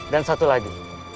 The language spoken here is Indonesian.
dan satu lagi